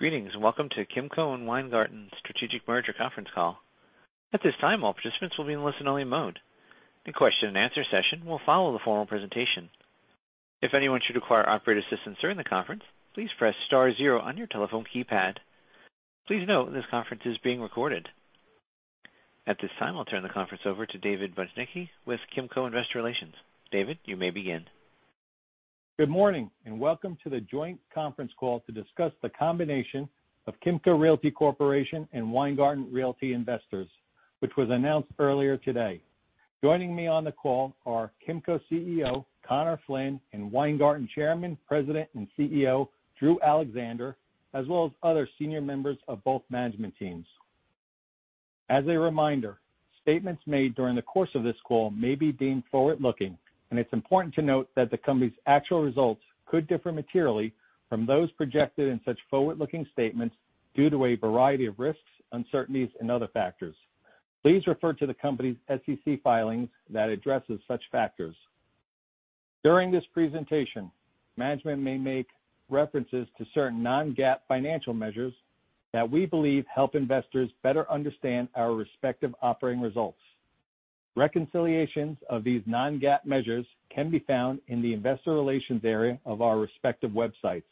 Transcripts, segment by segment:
Greetings, and welcome to Kimco and Weingarten Strategic Merger conference call. At this time, all participants will be in listen-only mode. The question and answer session will follow the formal presentation. If anyone should require operator assistance during the conference, please press star zero on your telephone keypad. Please note this conference is being recorded. At this time, I'll turn the conference over to David Bujnicki with Kimco Investor Relations. David, you may begin. Good morning, and welcome to the joint conference call to discuss the combination of Kimco Realty Corporation and Weingarten Realty Investors, which was announced earlier today. Joining me on the call are Kimco CEO, Conor Flynn, and Weingarten Chairman, President, and CEO, Drew Alexander, as well as other senior members of both management teams. As a reminder, statements made during the course of this call may be deemed forward-looking, and it's important to note that the company's actual results could differ materially from those projected in such forward-looking statements due to a variety of risks, uncertainties, and other factors. Please refer to the company's SEC filings that addresses such factors. During this presentation, management may make references to certain non-GAAP financial measures that we believe help investors better understand our respective operating results. Reconciliations of these non-GAAP measures can be found in the investor relations area of our respective websites.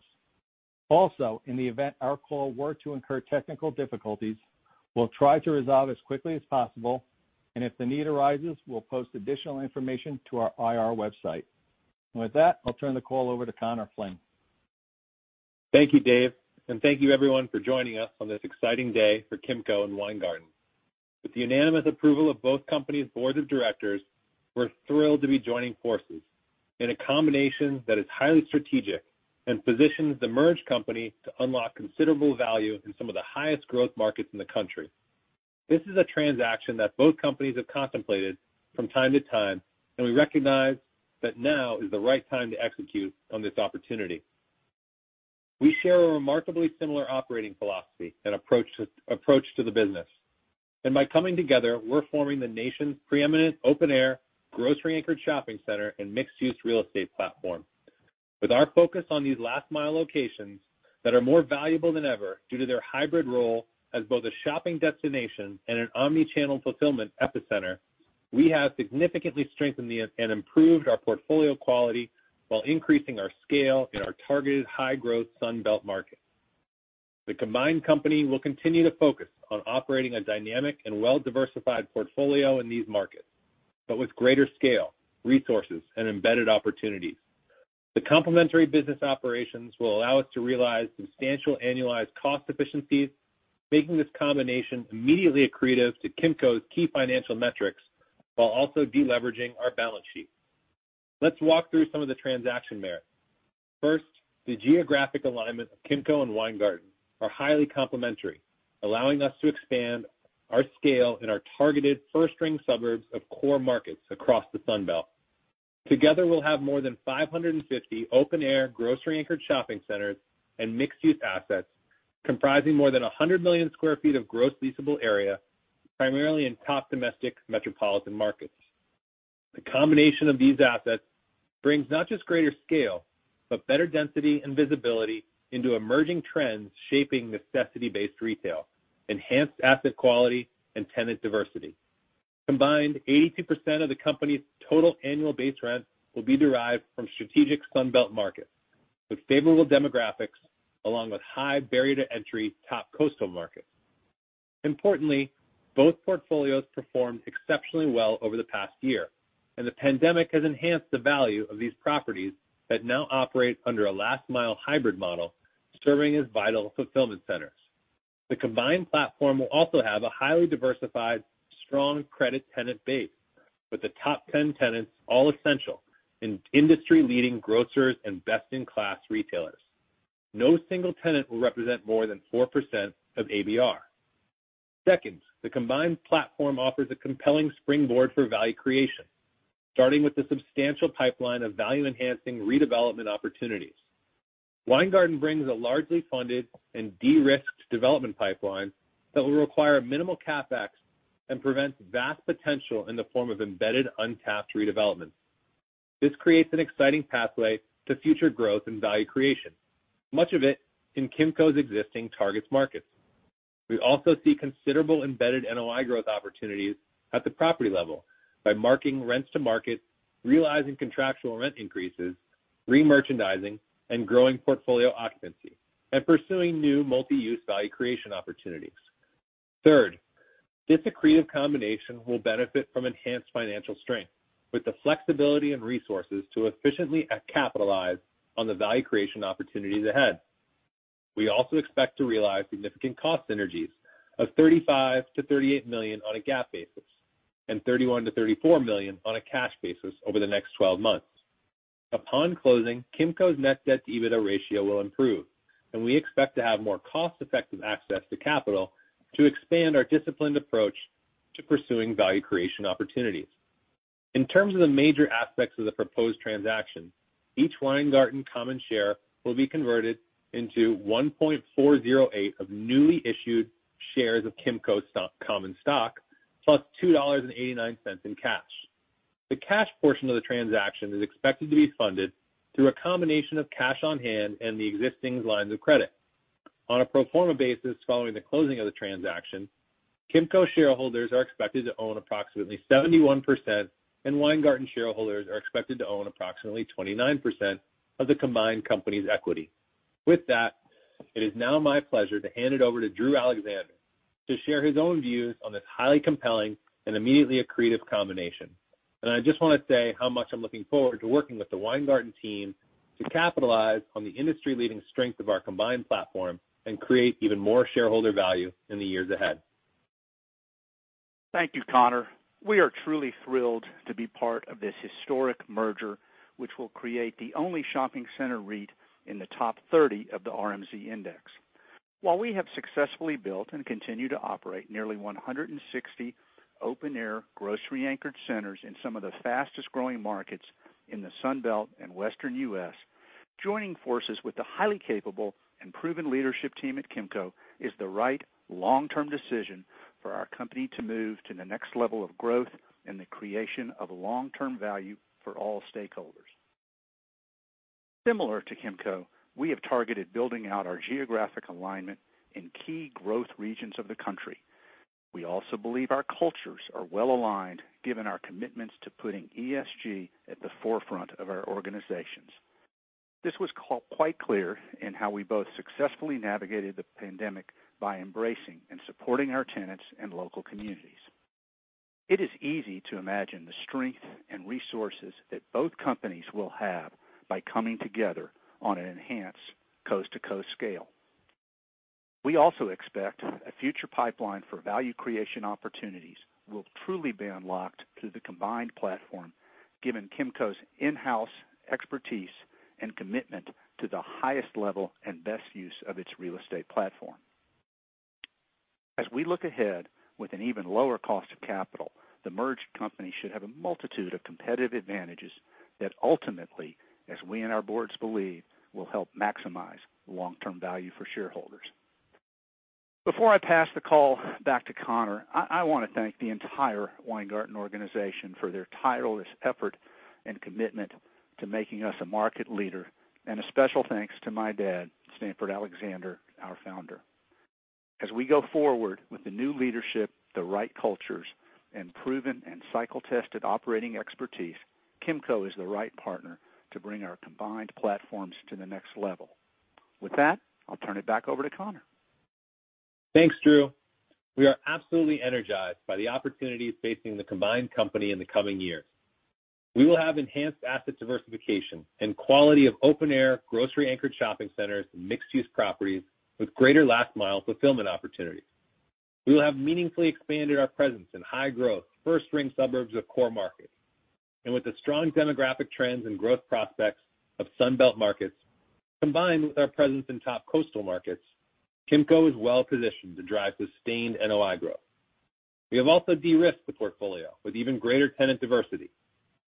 Also, in the event our call were to incur technical difficulties, we'll try to resolve as quickly as possible, and if the need arises, we'll post additional information to our IR website. With that, I'll turn the call over to Conor Flynn. Thank you, David, thank you everyone for joining us on this exciting day for Kimco and Weingarten. With the unanimous approval of both companies' boards of directors, we're thrilled to be joining forces in a combination that is highly strategic and positions the merged company to unlock considerable value in some of the highest growth markets in the country. This is a transaction that both companies have contemplated from time to time. We recognize that now is the right time to execute on this opportunity. We share a remarkably similar operating philosophy and approach to the business. By coming together, we're forming the nation's preeminent open-air grocery-anchored shopping center and mixed-use real estate platform. With our focus on these last-mile locations that are more valuable than ever due to their hybrid role as both a shopping destination and an omni-channel fulfillment epicenter, we have significantly strengthened and improved our portfolio quality while increasing our scale in our targeted high-growth Sun Belt markets. The combined company will continue to focus on operating a dynamic and well-diversified portfolio in these markets, but with greater scale, resources, and embedded opportunities. The complementary business operations will allow us to realize substantial annualized cost efficiencies, making this combination immediately accretive to Kimco's key financial metrics while also de-leveraging our balance sheet. Let's walk through some of the transaction merits. First, the geographic alignment of Kimco and Weingarten are highly complementary, allowing us to expand our scale in our targeted first-ring suburbs of core markets across the Sun Belt. Together, we'll have more than 550 open air grocery anchored shopping centers and mixed-use assets comprising more than 100 million sq ft of gross leasable area, primarily in top domestic metropolitan markets. The combination of these assets brings not just greater scale, but better density and visibility into emerging trends shaping necessity-based retail, enhanced asset quality, and tenant diversity. Combined, 82% of the company's total annual base rent will be derived from strategic Sun Belt markets with favorable demographics along with high barrier to entry top coastal markets. Importantly, both portfolios performed exceptionally well over the past year, and the pandemic has enhanced the value of these properties that now operate under a last mile hybrid model serving as vital fulfillment centers. The combined platform will also have a highly diversified, strong credit tenant base with the top 10 tenants all essential in industry-leading grocers and best-in-class retailers. No single tenant will represent more than 4% of ABR. Second, the combined platform offers a compelling springboard for value creation, starting with the substantial pipeline of value-enhancing redevelopment opportunities. Weingarten brings a largely funded and de-risked development pipeline that will require minimal CapEx and presents vast potential in the form of embedded untapped redevelopment. This creates an exciting pathway to future growth and value creation, much of it in Kimco's existing target markets. We also see considerable embedded NOI growth opportunities at the property level by marking rents to market, realizing contractual rent increases, re-merchandising, and growing portfolio occupancy, and pursuing new multi-use value creation opportunities. Third, this accretive combination will benefit from enhanced financial strength with the flexibility and resources to efficiently capitalize on the value creation opportunities ahead. We also expect to realize significant cost synergies of $35 million-$38 million on a GAAP basis and $31 million-$34 million on a cash basis over the next 12 months. Upon closing, Kimco's net debt-to-EBITDA ratio will improve, and we expect to have more cost-effective access to capital to expand our disciplined approach to pursuing value creation opportunities. In terms of the major aspects of the proposed transaction, each Weingarten common share will be converted into 1.408 of newly issued shares of Kimco common stock, +$2.89 in cash. The cash portion of the transaction is expected to be funded through a combination of cash on hand and the existing lines of credit. On a pro forma basis, following the closing of the transaction, Kimco shareholders are expected to own approximately 71%, and Weingarten shareholders are expected to own approximately 29% of the combined company's equity. With that, it is now my pleasure to hand it over to Drew Alexander to share his own views on this highly compelling and immediately accretive combination. I just want to say how much I'm looking forward to working with the Weingarten team to capitalize on the industry-leading strength of our combined platform and create even more shareholder value in the years ahead. Thank you, Conor. We are truly thrilled to be part of this historic merger, which will create the only shopping center REIT in the top 30 of the RMZ index. While we have successfully built and continue to operate nearly 160 open air, grocery-anchored centers in some of the fastest-growing markets in the Sun Belt and Western U.S., joining forces with the highly capable and proven leadership team at Kimco is the right long-term decision for our company to move to the next level of growth and the creation of long-term value for all stakeholders. Similar to Kimco, we have targeted building out our geographic alignment in key growth regions of the country. We also believe our cultures are well-aligned given our commitments to putting ESG at the forefront of our organizations. This was quite clear in how we both successfully navigated the pandemic by embracing and supporting our tenants and local communities. It is easy to imagine the strength and resources that both companies will have by coming together on an enhanced coast-to-coast scale. We also expect a future pipeline for value creation opportunities will truly be unlocked through the combined platform, given Kimco's in-house expertise and commitment to the highest level and best use of its real estate platform. As we look ahead with an even lower cost of capital, the merged company should have a multitude of competitive advantages that ultimately, as we and our boards believe, will help maximize long-term value for shareholders. Before I pass the call back to Conor, I want to thank the entire Weingarten organization for their tireless effort and commitment to making us a market leader, and a special thanks to my dad, Stanford Alexander, our founder. As we go forward with the new leadership, the right cultures, and proven and cycle-tested operating expertise, Kimco is the right partner to bring our combined platforms to the next level. With that, I'll turn it back over to Conor. Thanks, Drew. We are absolutely energized by the opportunities facing the combined company in the coming years. We will have enhanced asset diversification and quality of open air, grocery-anchored shopping centers and mixed-use properties with greater last mile fulfillment opportunities. We will have meaningfully expanded our presence in high growth, first ring suburbs of core markets. With the strong demographic trends and growth prospects of Sun Belt markets, combined with our presence in top coastal markets, Kimco is well-positioned to drive sustained NOI growth. We have also de-risked the portfolio with even greater tenant diversity.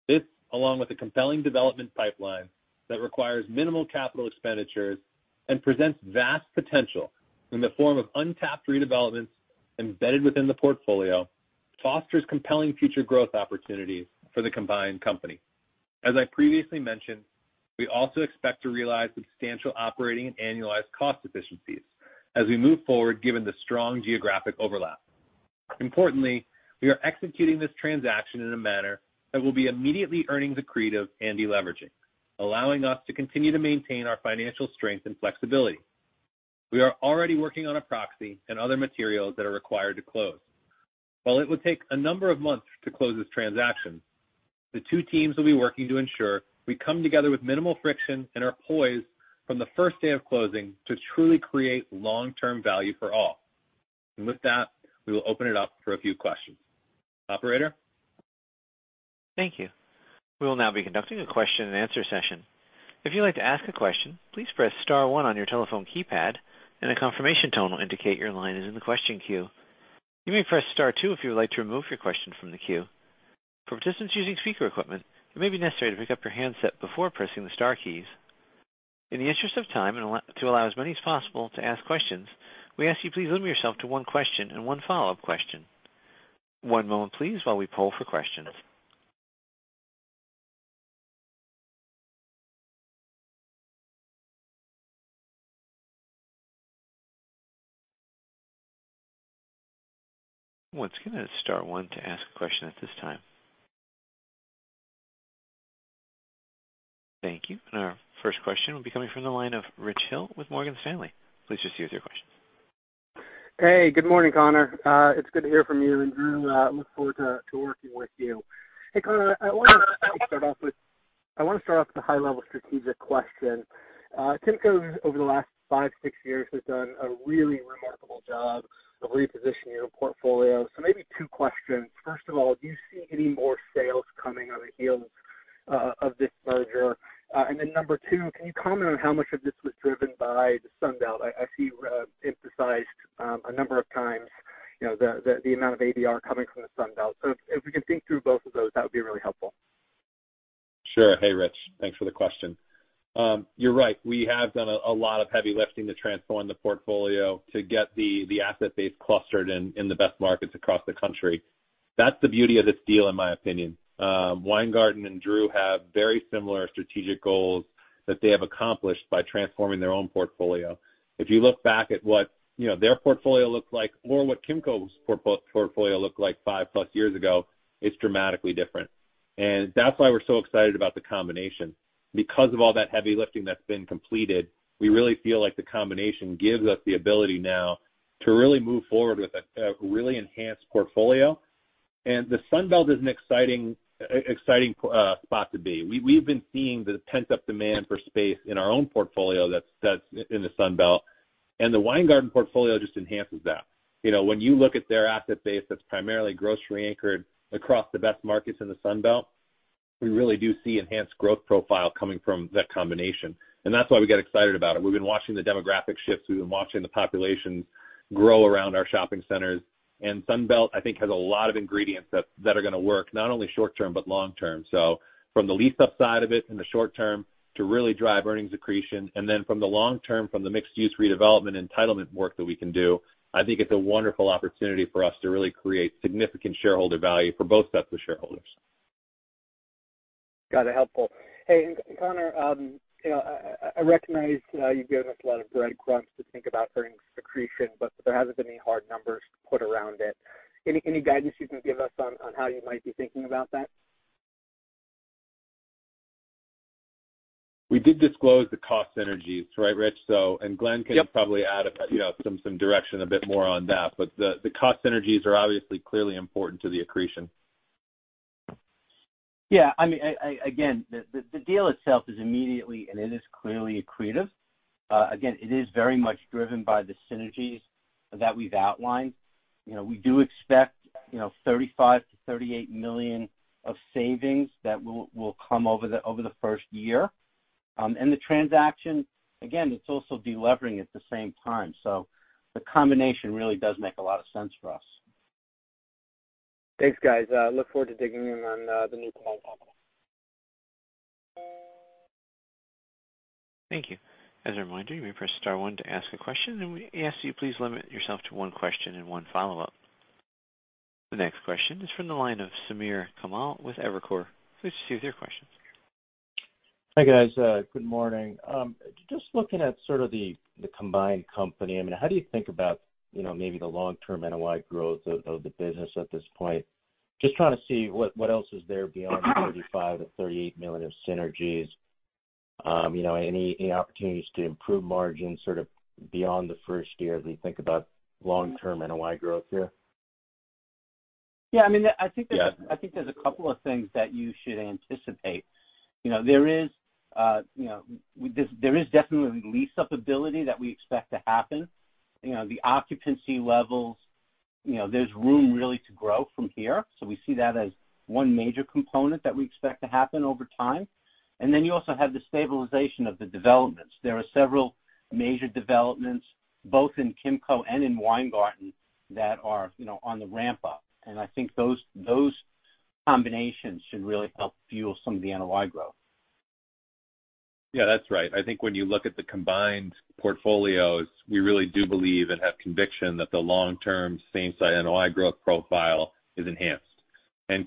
This, along with a compelling development pipeline that requires minimal capital expenditures and presents vast potential in the form of untapped redevelopments embedded within the portfolio, fosters compelling future growth opportunities for the combined company. As I previously mentioned, we also expect to realize substantial operating and annualized cost efficiencies as we move forward given the strong geographic overlap. Importantly, we are executing this transaction in a manner that will be immediately earnings accretive and de-leveraging, allowing us to continue to maintain our financial strength and flexibility. We are already working on a proxy and other materials that are required to close. While it will take a number of months to close this transaction, the two teams will be working to ensure we come together with minimal friction and are poised from the first day of closing to truly create long-term value for all. With that, we will open it up for a few questions. Operator. Thank you. We will now be conducting a question and answer session. If you'd like to ask a question, please press star one on your telephone keypad and a confirmation tone will indicate your line is in the question queue. You may press star two if you would like to remove your question from the queue. For participants using speaker equipment, it may be necessary to pick up your handset before pressing the star keys. In the interest of time and to allow as many as possible to ask questions, we ask you please limit yourself to one question and one follow-up question. One moment, please, while we poll for questions. Once again, it's star one to ask a question at this time. Thank you. And our first question will be coming from the line of Rich Hill with Morgan Stanley. Please just give your question. Hey, good morning, Conor. It's good to hear from you and Drew, look forward to working with you. Hey, Conor, I want to start off with a high level strategic question. Kimco, over the last five, six years, has done a really remarkable job of repositioning your portfolio. Maybe two questions. First of all, do you see any more sales coming on the heels of this merger? Number two, can you comment on how much of this was driven by the Sun Belt? I see you emphasized a number of times the amount of ABR coming from the Sun Belt. If we can think through both of those, that would be really helpful. Sure. Hey, Rich. Thanks for the question. You're right. We have done a lot of heavy lifting to transform the portfolio to get the asset base clustered in the best markets across the country. That's the beauty of this deal, in my opinion. Weingarten and Drew have very similar strategic goals that they have accomplished by transforming their own portfolio. If you look back at what their portfolio looked like or what Kimco's portfolio looked like five-plus years ago, it's dramatically different. That's why we're so excited about the combination. Because of all that heavy lifting that's been completed, we really feel like the combination gives us the ability now to really move forward with a really enhanced portfolio. The Sun Belt is an exciting spot to be. We've been seeing the pent-up demand for space in our own portfolio that's in the Sun Belt, and the Weingarten portfolio just enhances that. When you look at their asset base that's primarily grocery anchored across the best markets in the Sun Belt, we really do see enhanced growth profile coming from that combination, and that's why we get excited about it. We've been watching the demographic shifts, we've been watching the population grow around our shopping centers. Sun Belt, I think, has a lot of ingredients that are going to work, not only short term, but long term. From the lease-up side of it in the short term to really drive earnings accretion, and then from the long term, from the mixed-use redevelopment entitlement work that we can do, I think it's a wonderful opportunity for us to really create significant shareholder value for both sets of shareholders. Got it. Helpful. Hey, Conor, I recognize you've given us a lot of breadcrumbs to think about during discussion, but there hasn't been any hard numbers put around it. Any guidance you can give us on how you might be thinking about that? We did disclose the cost synergies, right, Rich? Yep Can probably add some direction a bit more on that. The cost synergies are obviously clearly important to the accretion. Yeah. Again, the deal itself is immediately and it is clearly accretive. Again, it is very much driven by the synergies that we've outlined. We do expect $35 million-$38 million of savings that will come over the first year. The transaction, again, it's also de-levering at the same time. The combination really does make a lot of sense for us. Thanks, guys. Look forward to digging in on the new combined model. Thank you. As a reminder, you may press star one to ask a question. We ask that you please limit yourself to one question and one follow-up. The next question is from the line of Samir Khanal with Evercore. Please proceed with your question. Hi, guys. Good morning. Just looking at sort of the combined company. How do you think about maybe the long-term NOI growth of the business at this point? Just trying to see what else is there beyond $35 million-$38 million of synergies. Any opportunities to improve margins sort of beyond the first year as we think about long-term NOI growth here? Yeah. I think there's a couple of things that you should anticipate. There is definitely lease-up ability that we expect to happen. The occupancy levels, there's room really to grow from here. We see that as one major component that we expect to happen over time. You also have the stabilization of the developments. There are several major developments, both in Kimco and in Weingarten, that are on the ramp up. I think those combinations should really help fuel some of the NOI growth. Yeah, that's right. I think when you look at the combined portfolios, we really do believe and have conviction that the long-term same-site NOI growth profile is enhanced.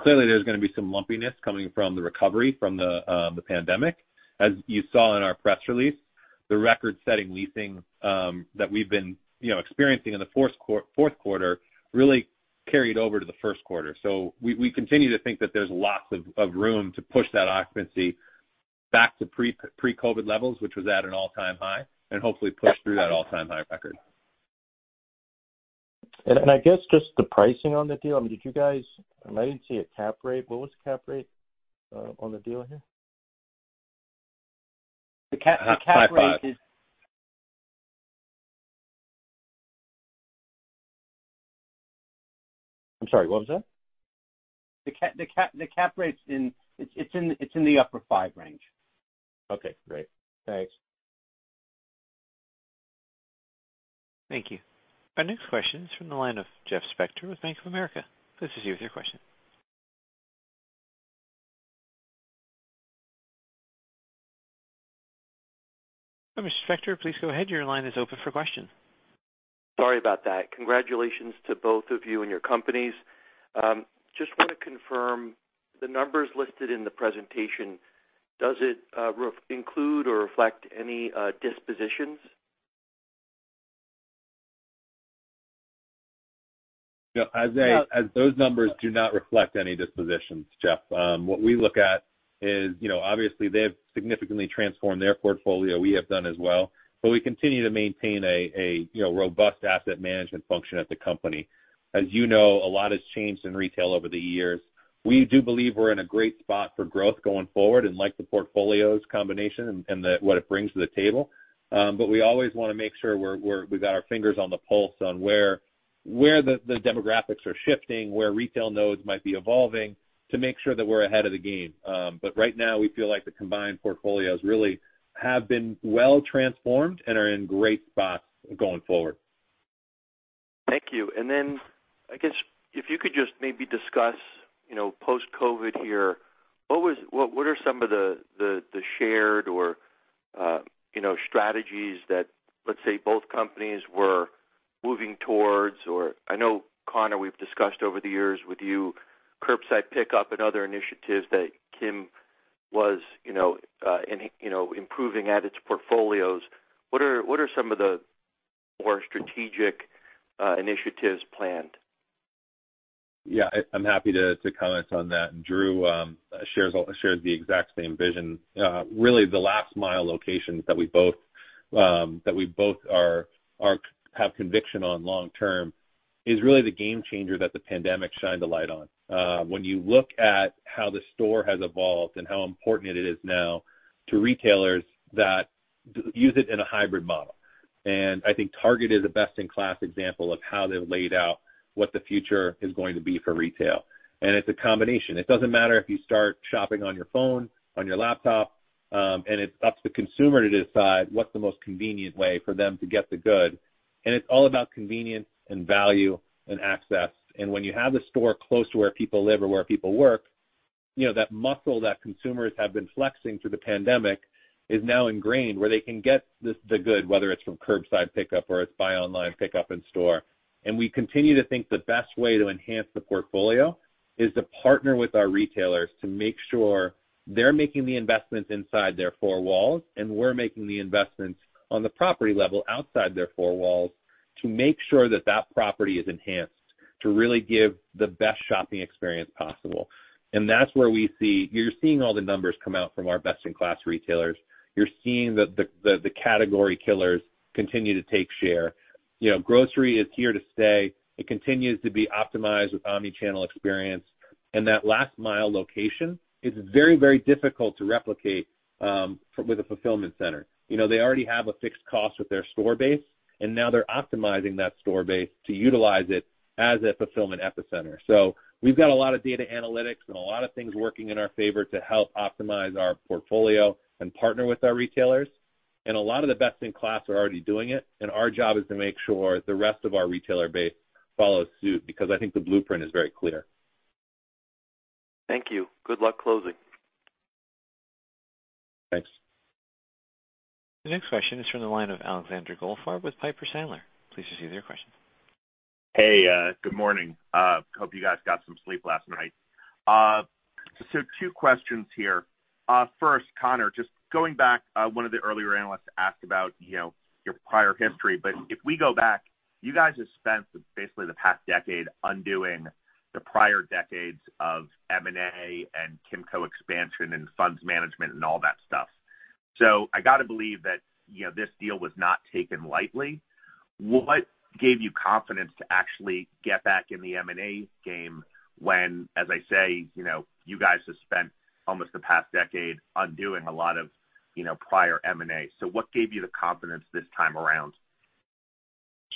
Clearly there's going to be some lumpiness coming from the recovery from the pandemic. As you saw in our press release, the record-setting leasing that we've been experiencing in the fourth quarter really carried over to the first quarter. We continue to think that there's lots of room to push that occupancy back to pre-COVID levels, which was at an all-time high, and hopefully push through that all-time high record. I guess just the pricing on the deal. Did you guys I didn't see a cap rate. What was the cap rate on the deal here? The cap rate is- Five five. I'm sorry, what was that? The cap rate's in the upper five range. Okay, great. Thanks. Thank you. Our next question is from the line of Jeff Spector with Bank of America. Please proceed with your question. Mr. Spector, please go ahead. Your line is open for question. Sorry about that. Congratulations to both of you and your companies. Just want to confirm the numbers listed in the presentation. Does it include or reflect any dispositions? Those numbers do not reflect any dispositions, Jeff. What we look at is obviously they have significantly transformed their portfolio. We have done as well. We continue to maintain a robust asset management function at the company. As you know, a lot has changed in retail over the years. We do believe we're in a great spot for growth going forward and like the portfolio's combination and what it brings to the table. We always want to make sure we've got our fingers on the pulse on where the demographics are shifting, where retail nodes might be evolving to make sure that we're ahead of the game. Right now, we feel like the combined portfolios really have been well transformed and are in great spots going forward. Thank you. I guess if you could just maybe discuss post-COVID here, what are some of the shared strategies that, let's say, both companies were moving towards? I know, Conor, we've discussed over the years with you, curbside pickup and other initiatives that Kimco was improving at its portfolios. What are some of the more strategic initiatives planned? Yeah, I'm happy to comment on that. Drew shares the exact same vision. Really, the last mile locations that we both have conviction on long term is really the game changer that the pandemic shined a light on. When you look at how the store has evolved and how important it is now to retailers that use it in a hybrid model. I think Target is a best-in-class example of how they've laid out what the future is going to be for retail. It's a combination. It doesn't matter if you start shopping on your phone, on your laptop, and it's up to the consumer to decide what's the most convenient way for them to get the good. It's all about convenience and value and access. When you have a store close to where people live or where people work, that muscle that consumers have been flexing through the pandemic is now ingrained, where they can get the good, whether it's from curbside pickup or it's buy online, pick up in store. We continue to think the best way to enhance the portfolio is to partner with our retailers to make sure they're making the investments inside their four walls, and we're making the investments on the property level outside their four walls to make sure that that property is enhanced to really give the best shopping experience possible. You're seeing all the numbers come out from our best-in-class retailers. You're seeing the category killers continue to take share. Grocery is here to stay. It continues to be optimized with omnichannel experience. That last mile location is very, very difficult to replicate with a fulfillment center. They already have a fixed cost with their store base, and now they're optimizing that store base to utilize it as a fulfillment epicenter. We've got a lot of data analytics and a lot of things working in our favor to help optimize our portfolio and partner with our retailers. A lot of the best in class are already doing it, and our job is to make sure the rest of our retailer base follows suit, because I think the blueprint is very clear. Thank you. Good luck closing. Thanks. The next question is from the line of Alexander Goldfarb with Piper Sandler. Please proceed with your question. Hey, good morning. Hope you guys got some sleep last night. Two questions here. First, Conor, just going back, one of the earlier analysts asked about your prior history. If we go back, you guys have spent basically the past decade undoing the prior decades of M&A and Kimco expansion and funds management all that stuff. I got to believe that this deal was not taken lightly. What gave you confidence to actually get back in the M&A game when, as I say, you guys have spent almost the past decade undoing a lot of prior M&A. What gave you the confidence this time around?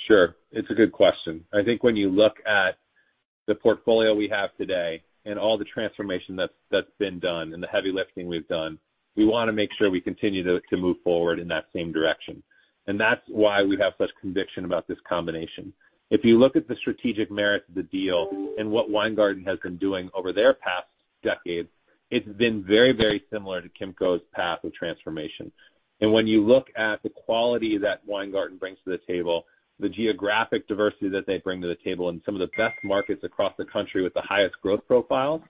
Sure. It's a good question. I think when you look at the portfolio we have today and all the transformation that's been done and the heavy lifting we've done, we want to make sure we continue to move forward in that same direction. That's why we have such conviction about this combination. If you look at the strategic merit of the deal and what Weingarten has been doing over their past decade, it's been very, very similar to Kimco's path of transformation. When you look at the quality that Weingarten brings to the table, the geographic diversity that they bring to the table in some of the best markets across the country with the highest growth profile,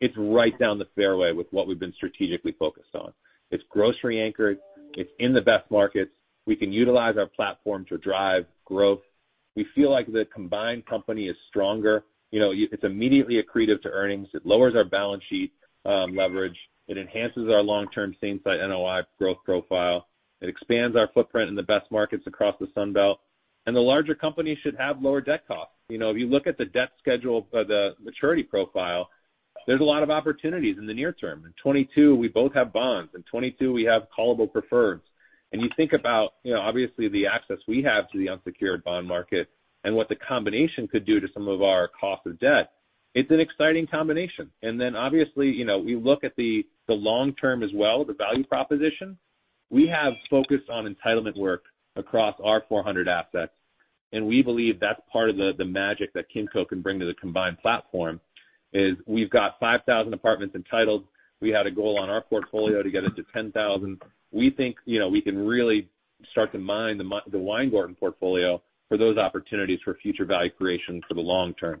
it's right down the fairway with what we've been strategically focused on. It's grocery anchored. It's in the best markets. We can utilize our platform to drive growth. We feel like the combined company is stronger. It's immediately accretive to earnings. It lowers our balance sheet leverage. It enhances our long-term same-site NOI growth profile. It expands our footprint in the best markets across the Sun Belt. The larger company should have lower debt costs. If you look at the debt schedule, the maturity profile, there's a lot of opportunities in the near term. In 2022, we both have bonds. In 2022, we have callable preferreds. You think about obviously the access we have to the unsecured bond market and what the combination could do to some of our cost of debt, it's an exciting combination. Then obviously, we look at the long term as well, the value proposition. We have focused on entitlement work across our 400 assets. We believe that's part of the magic that Kimco can bring to the combined platform, is we've got 5,000 apartments entitled. We had a goal on our portfolio to get it to 10,000. We think we can really start to mine the Weingarten portfolio for those opportunities for future value creation for the long term.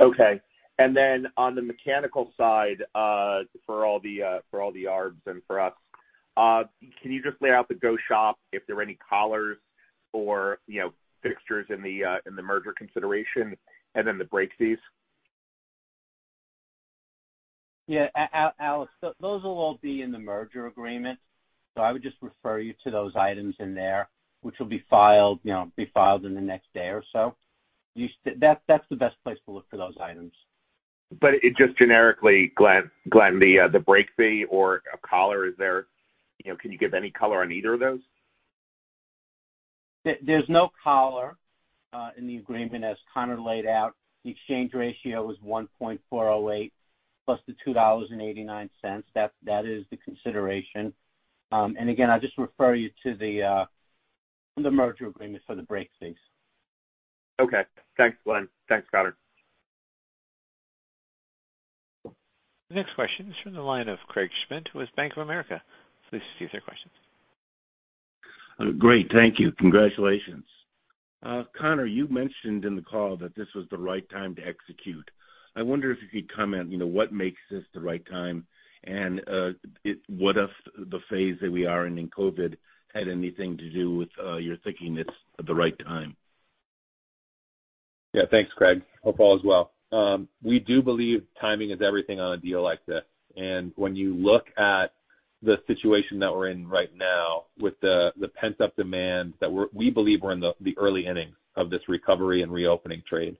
Okay. On the mechanical side, for all the arbs and for us, can you just lay out the go-shop if there are any collars or fixtures in the merger consideration and then the break fees? Yeah. Alex, those will all be in the merger agreement. I would just refer you to those items in there, which will be filed in the next day or so. That's the best place to look for those items. Just generically, Glenn, the break fee or a collar, can you give any color on either of those? There's no collar in the agreement, as Conor laid out. The exchange ratio is 1.408 plus the $2.89. That is the consideration. Again, I'll just refer you to the merger agreement for the break fees. Okay. Thanks, Glenn. Thanks, Conor. The next question is from the line of Craig Schmidt with Bank of America. Please proceed with your questions. Great. Thank you. Congratulations. Conor, you mentioned in the call that this was the right time to execute. I wonder if you could comment, what makes this the right time, and what of the phase that we are in in COVID had anything to do with your thinking it's the right time? Yeah. Thanks, Craig. Hope all is well. We do believe timing is everything on a deal like this. When you look at the situation that we're in right now with the pent-up demand that we believe we're in the early innings of this recovery and reopening trade.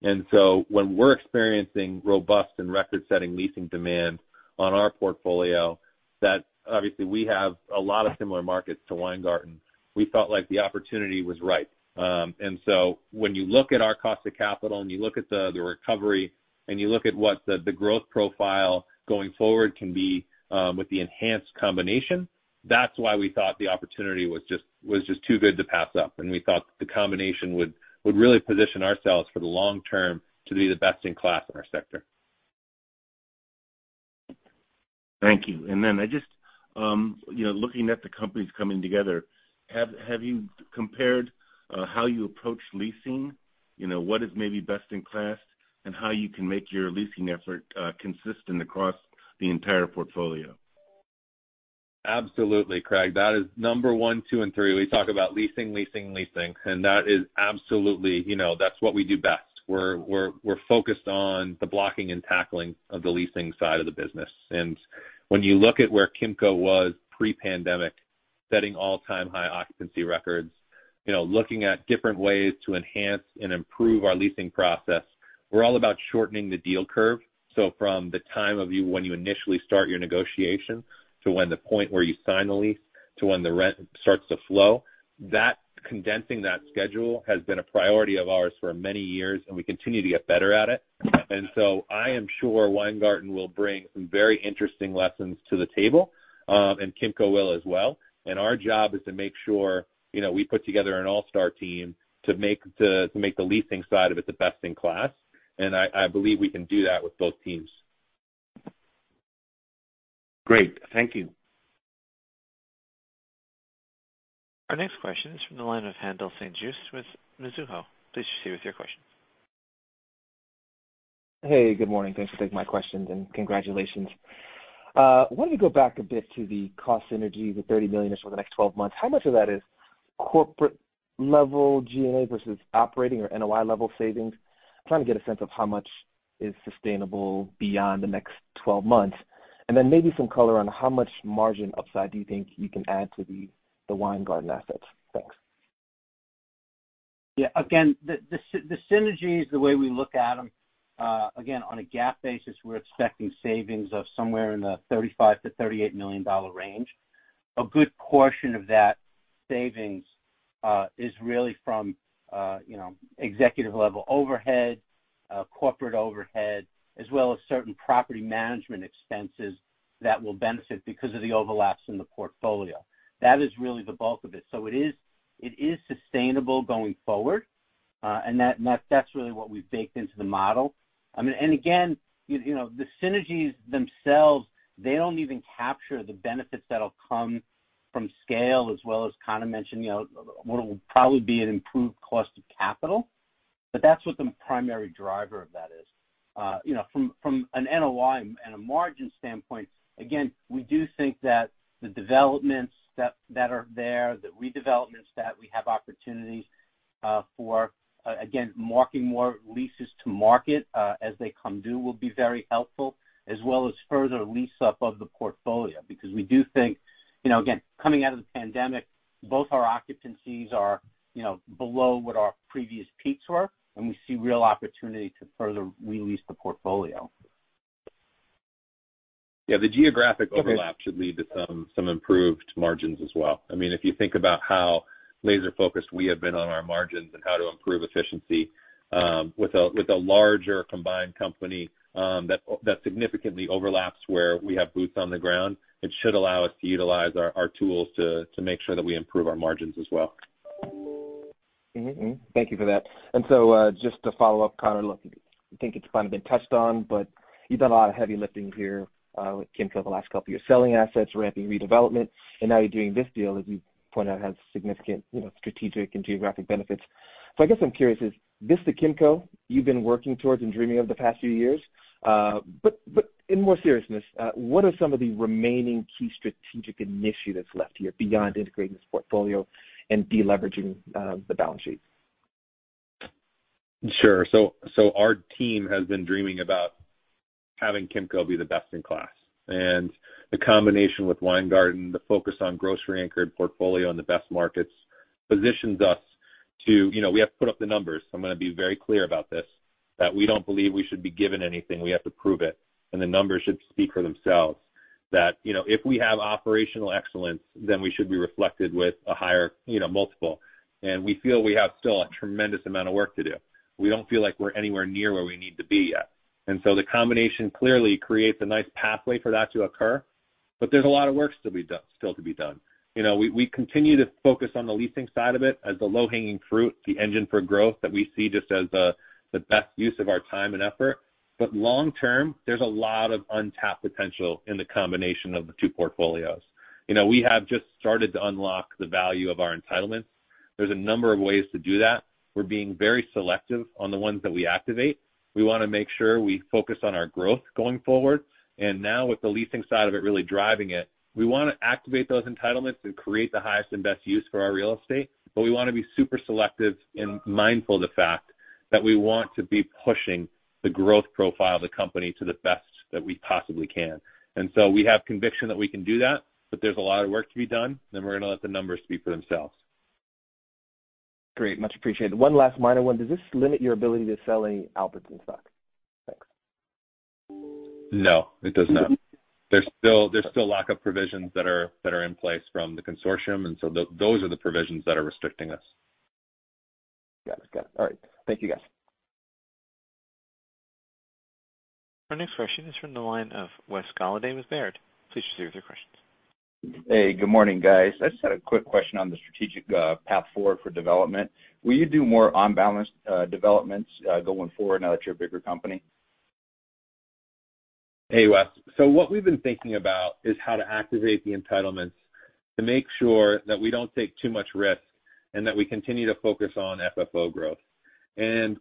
When we're experiencing robust and record-setting leasing demand on our portfolio, that obviously we have a lot of similar markets to Weingarten, we felt like the opportunity was right. When you look at our cost of capital and you look at the recovery and you look at what the growth profile going forward can be with the enhanced combination, that's why we thought the opportunity was just too good to pass up. We thought the combination would really position ourselves for the long term to be the best in class in our sector. Thank you. I just, looking at the companies coming together, have you compared how you approach leasing? What is maybe best in class, and how you can make your leasing effort consistent across the entire portfolio? Absolutely, Craig. That is number one, two, and three. We talk about leasing. That is absolutely, that's what we do best. We're focused on the blocking and tackling of the leasing side of the business. When you look at where Kimco was pre-pandemic, setting all-time high occupancy records, looking at different ways to enhance and improve our leasing process, we're all about shortening the deal curve. From the time of you when you initially start your negotiation to when the point where you sign the lease to when the rent starts to flow, condensing that schedule has been a priority of ours for many years, and we continue to get better at it. I am sure Weingarten will bring some very interesting lessons to the table, and Kimco will as well. Our job is to make sure we put together an all-star team to make the leasing side of it the best in class, and I believe we can do that with both teams. Great. Thank you. Our next question is from the line of Haendel St. Juste with Mizuho. Please proceed with your question. Hey, good morning. Thanks for taking my questions, and congratulations. Wanted to go back a bit to the cost synergy, the $30 million-ish over the next 12 months. How much of that is corporate level G&A versus operating or NOI level savings? I'm trying to get a sense of how much is sustainable beyond the next 12 months. Maybe some color on how much margin upside do you think you can add to the Weingarten assets? Thanks. Yeah. Again, the synergies, the way we look at them, again, on a GAAP basis, we're expecting savings of somewhere in the $35 million-$38 million range. A good portion of that savings is really from executive-level overhead, corporate overhead, as well as certain property management expenses that will benefit because of the overlaps in the portfolio. That is really the bulk of it. It is sustainable going forward. That's really what we've baked into the model. Again, the synergies themselves, they don't even capture the benefits that'll come from scale as well as Conor mentioned, what will probably be an improved cost of capital. That's what the primary driver of that is. From an NOI and a margin standpoint, again, we do think that the developments that are there, the redevelopments that we have opportunities for, again, marking more leases to market as they come due will be very helpful, as well as further lease up of the portfolio. We do think, again, coming out of the pandemic, both our occupancies are below what our previous peaks were, and we see real opportunity to further re-lease the portfolio. Yeah. The geographic overlap should lead to some improved margins as well. If you think about how laser-focused we have been on our margins and how to improve efficiency, with a larger combined company that significantly overlaps where we have boots on the ground, it should allow us to utilize our tools to make sure that we improve our margins as well. Thank you for that. Just to follow up, Conor, look, I think it's kind of been touched on, but you've done a lot of heavy lifting here with Kimco the last couple of years, selling assets, ramping redevelopment, and now you're doing this deal as you pointed out, has significant strategic and geographic benefits. I guess I'm curious, is this the Kimco you've been working towards and dreaming of the past few years? In more seriousness, what are some of the remaining key strategic initiatives left here beyond integrating this portfolio and de-leveraging the balance sheet? Sure. Our team has been dreaming about having Kimco Realty be the best in class. The combination with Weingarten Realty Investors, the focus on grocery-anchored portfolio in the best markets positions us. We have to put up the numbers. I'm going to be very clear about this, that we don't believe we should be given anything. We have to prove it, and the numbers should speak for themselves, that if we have operational excellence, then we should be reflected with a higher multiple. We feel we have still a tremendous amount of work to do. We don't feel like we're anywhere near where we need to be yet. The combination clearly creates a nice pathway for that to occur, but there's a lot of work still to be done. We continue to focus on the leasing side of it as the low-hanging fruit, the engine for growth that we see just as the best use of our time and effort. Long term, there's a lot of untapped potential in the combination of the two portfolios. We have just started to unlock the value of our entitlements. There's a number of ways to do that. We're being very selective on the ones that we activate. We want to make sure we focus on our growth going forward. Now with the leasing side of it really driving it, we want to activate those entitlements and create the highest and best use for our real estate, but we want to be super selective and mindful of the fact that we want to be pushing the growth profile of the company to the best that we possibly can. We have conviction that we can do that, but there's a lot of work to be done, then we're going to let the numbers speak for themselves. Great. Much appreciated. One last minor one. Does this limit your ability to sell any Albertsons stock? Thanks. No, it does not. There's still lock-up provisions that are in place from the consortium, and so those are the provisions that are restricting us. Got it. All right. Thank you, guys. Our next question is from the line of Wes Golladay, Baird. Please proceed with your questions. Hey, good morning, guys. I just had a quick question on the strategic path forward for development. Will you do more on-balance developments going forward now that you're a bigger company? Hey, Wes. What we've been thinking about is how to activate the entitlements to make sure that we don't take too much risk and that we continue to focus on FFO growth.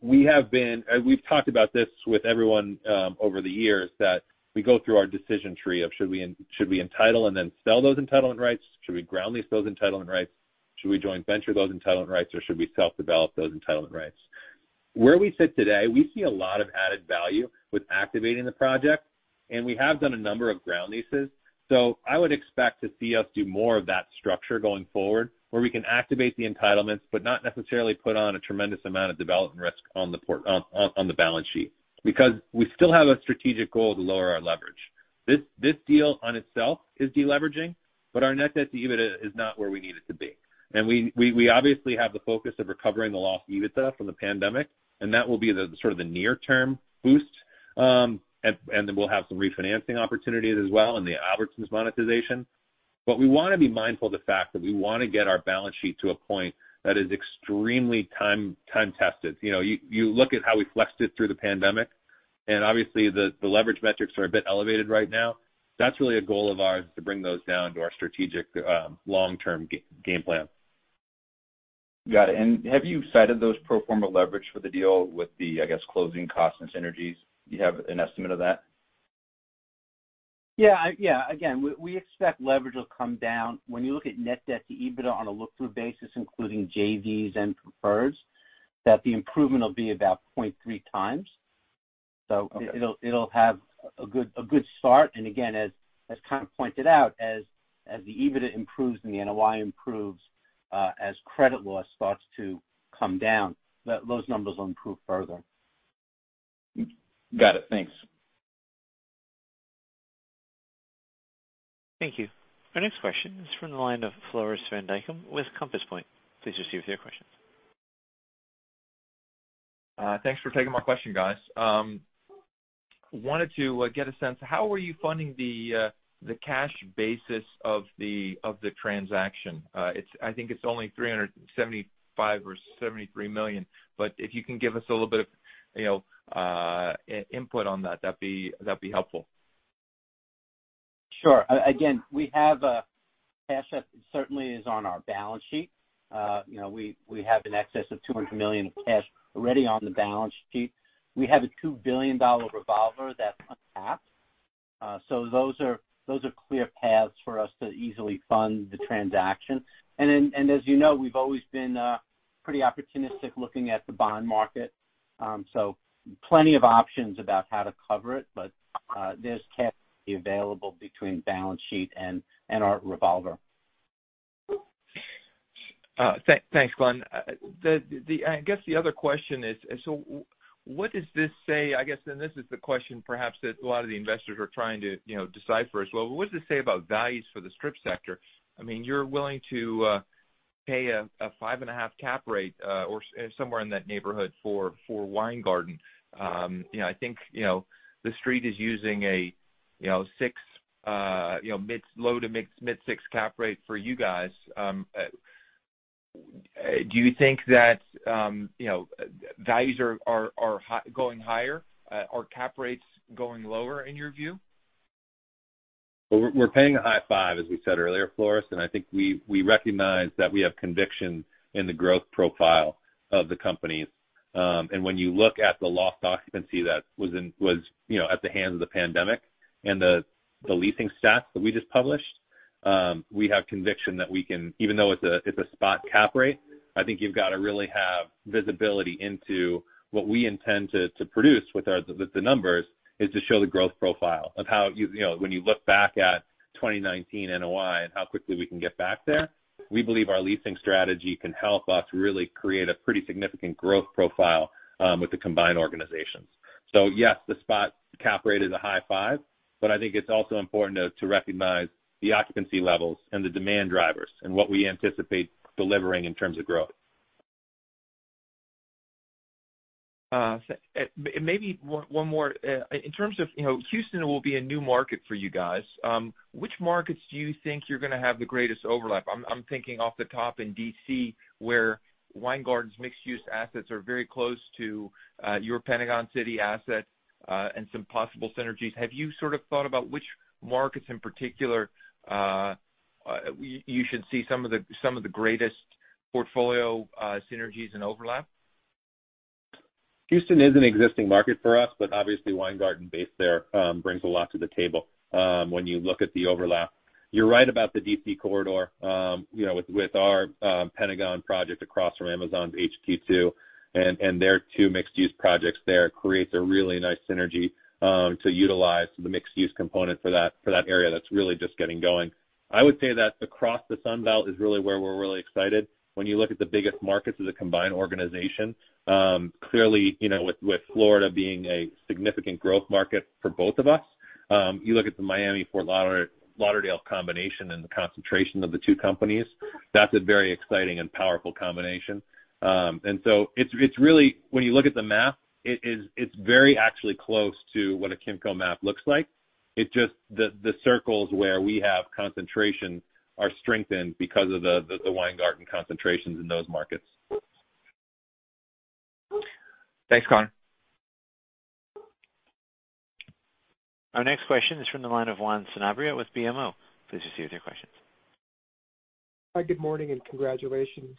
We've talked about this with everyone over the years, that we go through our decision tree of should we entitle and then sell those entitlement rights, should we ground lease those entitlement rights, should we joint venture those entitlement rights, or should we self-develop those entitlement rights? Where we sit today, we see a lot of added value with activating the project, and we have done a number of ground leases. I would expect to see us do more of that structure going forward, where we can activate the entitlements, but not necessarily put on a tremendous amount of development risk on the balance sheet, because we still have a strategic goal to lower our leverage. This deal on itself is de-leveraging, but our net debt to EBITDA is not where we need it to be. We obviously have the focus of recovering the lost EBITDA from the pandemic, and that will be the sort of the near-term boost. Then we'll have some refinancing opportunities as well in the Albertsons monetization. We want to be mindful of the fact that we want to get our balance sheet to a point that is extremely time-tested. You look at how we flexed it through the pandemic, and obviously the leverage metrics are a bit elevated right now. That's really a goal of ours, is to bring those down to our strategic long-term game plan. Got it. Have you cited those pro forma leverage for the deal with the, I guess, closing costs and synergies? Do you have an estimate of that? Yeah. Again, we expect leverage will come down. When you look at net debt to EBITDA on a look-through basis, including JVs and preferreds, that the improvement will be about 0.3 times. Okay. It'll have a good start. Again, as kind of pointed out, as the EBITDA improves and the NOI improves, as credit loss starts to come down, those numbers will improve further. Got it. Thanks. Thank you. Our next question is from the line of Floris van Dijkum with Compass Point. Please proceed with your questions. Thanks for taking my question, guys. I wanted to get a sense of how are you funding the cash basis of the transaction? I think it's only $375 million or $373 million, but if you can give us a little bit of input on that'd be helpful. Sure. Again, we have a cash that certainly is on our balance sheet. We have in excess of $200 million of cash already on the balance sheet. We have a $2 billion revolver that's untapped. Those are clear paths for us to easily fund the transaction. As you know, we've always been pretty opportunistic looking at the bond market. Plenty of options about how to cover it, but there's cash available between balance sheet and our revolver. Thanks, Glenn. The other question is, so what does this say, and this is the question perhaps that a lot of the investors are trying to decipher as well, but what does this say about values for the strip sector? I mean, you're willing to pay a 5.5 cap rate or somewhere in that neighborhood for Weingarten. I think The Street is using a mid-low to mid-six cap rate for you guys. Do you think that values are going higher? Are cap rates going lower in your view? Well, we're paying a high five, as we said earlier, Floris, and I think we recognize that we have conviction in the growth profile of the company. When you look at the lost occupancy that was at the hands of the pandemic and the leasing stats that we just published, we have conviction that we can Even though it's a spot cap rate, I think you've got to really have visibility into what we intend to produce with the numbers, is to show the growth profile of how when you look back at 2019 NOI and how quickly we can get back there. We believe our leasing strategy can help us really create a pretty significant growth profile with the combined organizations. Yes, the spot cap rate is a high five, but I think it's also important to recognize the occupancy levels and the demand drivers and what we anticipate delivering in terms of growth. Maybe one more. Houston will be a new market for you guys. Which markets do you think you're going to have the greatest overlap? I'm thinking off the top in D.C., where Weingarten's mixed-use assets are very close to your Pentagon City asset, and some possible synergies. Have you thought about which markets in particular you should see some of the greatest portfolio synergies and overlap? Houston is an existing market for us, but obviously, Weingarten based there brings a lot to the table when you look at the overlap. You're right about the D.C. corridor. With our Pentagon project across from Amazon's HQ2 and their two mixed-use projects there creates a really nice synergy to utilize the mixed-use component for that area that's really just getting going. I would say that across the Sun Belt is really where we're really excited. When you look at the biggest markets as a combined organization, clearly, with Florida being a significant growth market for both of us. You look at the Miami-Fort Lauderdale combination and the concentration of the two companies, that's a very exciting and powerful combination. When you look at the map, it's very actually close to what a Kimco map looks like. It's just the circles where we have concentration are strengthened because of the Weingarten concentrations in those markets. Thanks, Conor. Our next question is from the line of Juan Sanabria with BMO. Please proceed with your questions. Hi, good morning and congratulations.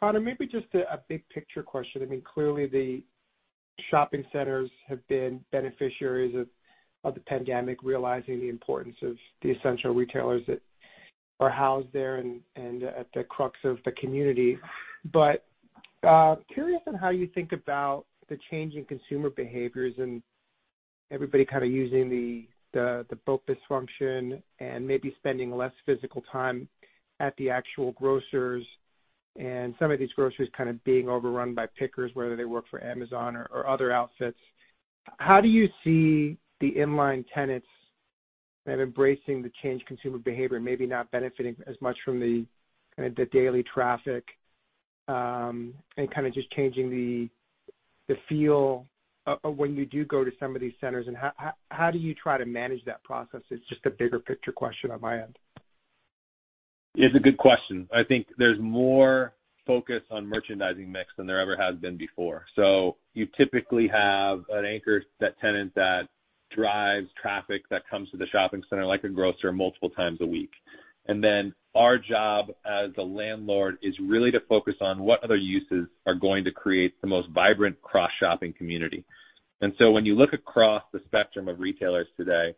Conor, maybe just a big picture question. Clearly, the shopping centers have been beneficiaries of the pandemic, realizing the importance of the essential retailers that are housed there and at the crux of the community. Curious on how you think about the change in consumer behaviors and everybody kind of using the BOPIS function and maybe spending less physical time at the actual grocers and some of these grocers kind of being overrun by pickers, whether they work for Amazon or other outlets. How do you see the inline tenants kind of embracing the changed consumer behavior, maybe not benefiting as much from the daily traffic, and kind of just changing the feel of when you do go to some of these centers, and how do you try to manage that process? It's just a bigger picture question on my end. It's a good question. I think there's more focus on merchandising mix than there ever has been before. You typically have an anchor tenant that drives traffic that comes to the shopping center, like a grocer, multiple times a week. Our job as a landlord is really to focus on what other uses are going to create the most vibrant cross shopping community. When you look across the spectrum of retailers today,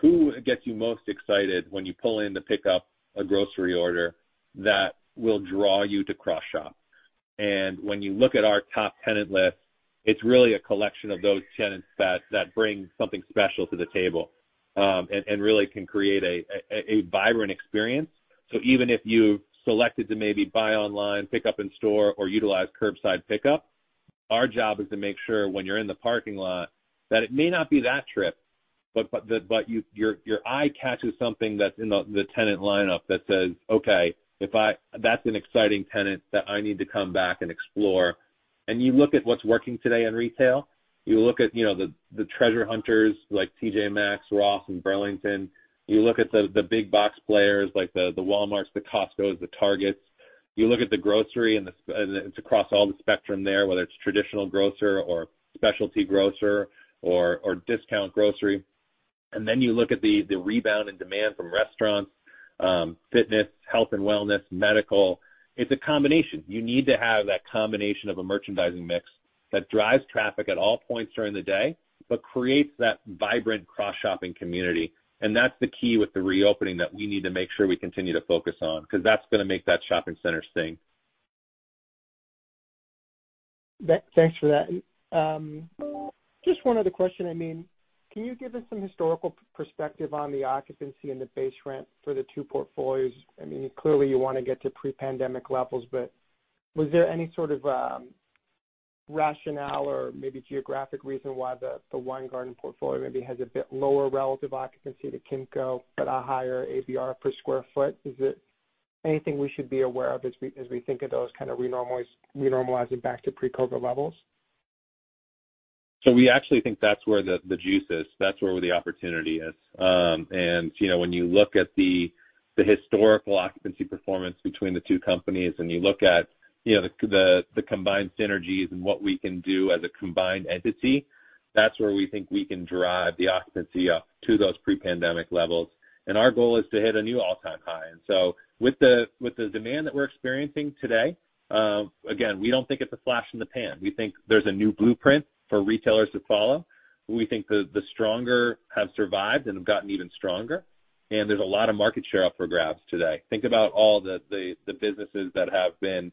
who gets you most excited when you pull in to pick up a grocery order that will draw you to cross shop? When you look at our top tenant list, it's really a collection of those tenants that bring something special to the table, and really can create a vibrant experience. Even if you've selected to maybe buy online, pick up in store, or utilize curbside pickup, our job is to make sure when you're in the parking lot, that it may not be that trip, but your eye catches something that's in the tenant lineup that says, "Okay, that's an exciting tenant that I need to come back and explore." You look at what's working today in retail. You look at the treasure hunters like TJ Maxx, Ross, and Burlington. You look at the big box players like the Walmarts, the Costcos, the Targets. You look at the grocery, and it's across all the spectrum there, whether it's traditional grocer or specialty grocer or discount grocery. You look at the rebound in demand from restaurants, fitness, health and wellness, medical. It's a combination. You need to have that combination of a merchandising mix that drives traffic at all points during the day, but creates that vibrant cross-shopping community. That's the key with the reopening that we need to make sure we continue to focus on, because that's going to make that shopping center sing. Thanks for that. Just one other question. Can you give us some historical perspective on the occupancy and the base rent for the two portfolios? Clearly you want to get to pre-pandemic levels, was there any sort of rationale or maybe geographic reason why the Weingarten portfolio maybe has a bit lower relative occupancy to Kimco but a higher ABR per square foot? Is it anything we should be aware of as we think of those kind of normalizing back to pre-COVID levels? We actually think that's where the juice is. That's where the opportunity is. When you look at the historical occupancy performance between the two companies and you look at the combined synergies and what we can do as a combined entity, that's where we think we can drive the occupancy up to those pre-pandemic levels. Our goal is to hit a new all-time high. With the demand that we're experiencing today, again, we don't think it's a flash in the pan. We think there's a new blueprint for retailers to follow. We think the stronger have survived and have gotten even stronger. There's a lot of market share up for grabs today. Think about all the businesses that have been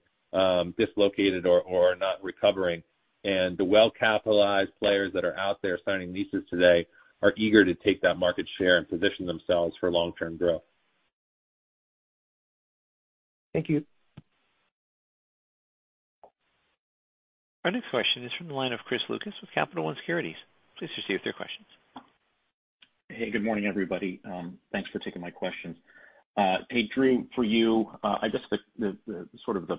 dislocated or are not recovering, and the well-capitalized players that are out there signing leases today are eager to take that market share and position themselves for long-term growth. Thank you. Our next question is from the line of Chris Lucas with Capital One Securities. Please proceed with your question. Hey, good morning, everybody. Thanks for taking my questions. Hey, Drew, for you, I guess the sort of the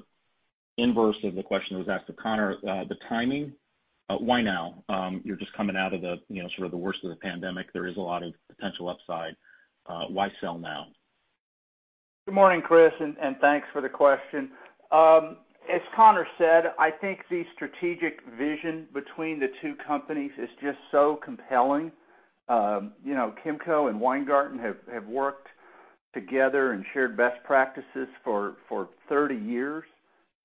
inverse of the question that was asked of Conor, the timing, why now? You're just coming out of the sort of the worst of the pandemic. There is a lot of potential upside. Why sell now? Good morning, Chris, and thanks for the question. As Conor said, I think the strategic vision between the two companies is just so compelling. Kimco and Weingarten have worked together and shared best practices for 30 years.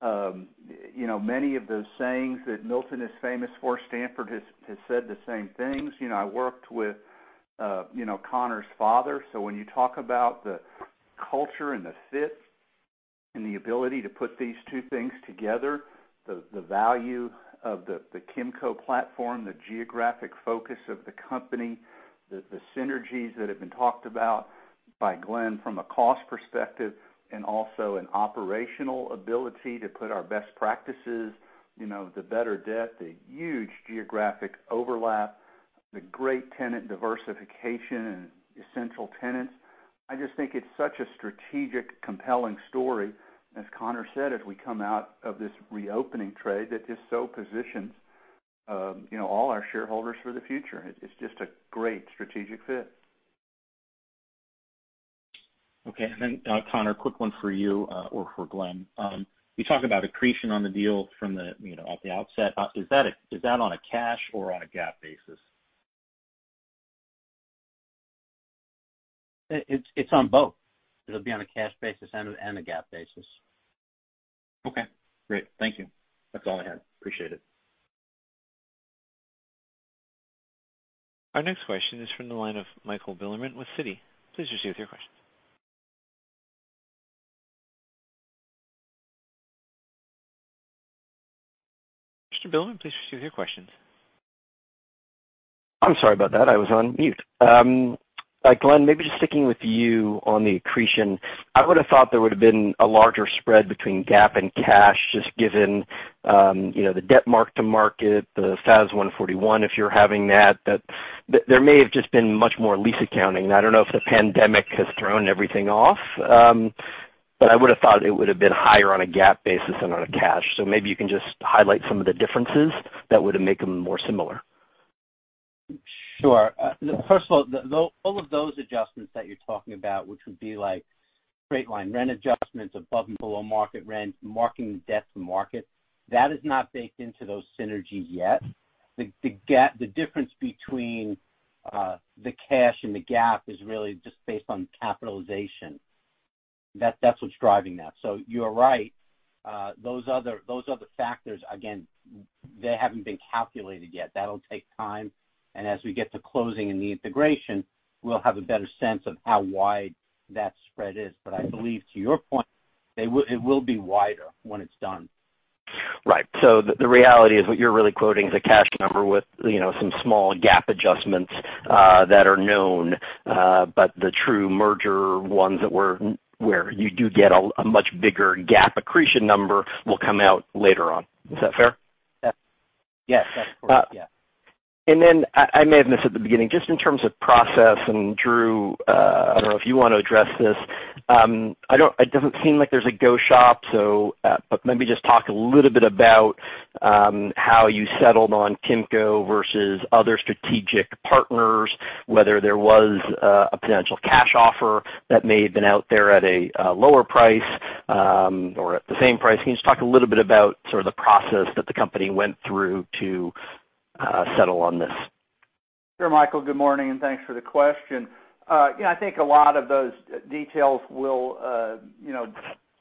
Many of those sayings that Milton is famous for, Stanford has said the same things. I worked with Conor's father. When you talk about the culture and the fit and the ability to put these two things together, the value of the Kimco platform, the geographic focus of the company, the synergies that have been talked about by Glenn from a cost perspective and also an operational ability to put our best practices, the better debt, the huge geographic overlap, the great tenant diversification and essential tenants. I just think it's such a strategic, compelling story, as Conor said, as we come out of this reopening trade that just so positions all our shareholders for the future. It's just a great strategic fit. Okay. Conor, quick one for you or for Glenn. You talk about accretion on the deal from the outset. Is that on a cash or on a GAAP basis? It's on both. It'll be on a cash basis and a GAAP basis. Okay, great. Thank you. That's all I had. Appreciate it. Our next question is from the line of Michael Bilerman with Citi. Please proceed with your question. Mr. Bilerman, please proceed with your questions. I'm sorry about that. I was on mute. Glenn, maybe just sticking with you on the accretion, I would've thought there would've been a larger spread between GAAP and cash, just given the debt mark-to-market, the FAS 141, if you're having that. There may have just been much more lease accounting, and I don't know if the pandemic has thrown everything off. I would've thought it would've been higher on a GAAP basis than on a cash. Maybe you can just highlight some of the differences that would make them more similar. Sure. First of all of those adjustments that you're talking about, which would be like straight line rent adjustments above and below market rent, marking debt to market, that is not baked into those synergies yet. The difference between the cash and the GAAP is really just based on capitalization. That's what's driving that. You're right. Those other factors, again, they haven't been calculated yet. That'll take time, and as we get to closing and the integration, we'll have a better sense of how wide that spread is. I believe to your point, it will be wider when it's done. Right. The reality is what you're really quoting is a cash number with some small GAAP adjustments that are known. The true merger ones where you do get a much bigger GAAP accretion number will come out later on. Is that fair? Yes. That's correct. Yeah. I may have missed at the beginning, just in terms of process, and Drew, I don't know if you want to address this. It doesn't seem like there's a go shop. Maybe just talk a little bit about how you settled on Kimco versus other strategic partners, whether there was a potential cash offer that may have been out there at a lower price or at the same price. Can you just talk a little bit about sort of the process that the company went through to settle on this? Sure, Michael. Good morning, thanks for the question. I think a lot of those details will